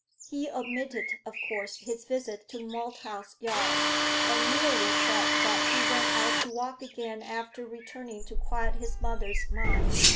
He omitted, of course, his visit to Malthouse Yard, and merely said that he went out to walk again after returning to quiet his mother's mind.